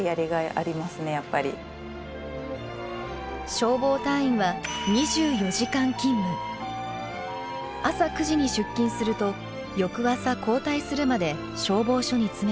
消防隊員は朝９時に出勤すると翌朝交代するまで消防署に詰めています。